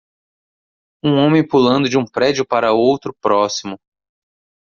um homem pulando de um prédio para outro próximo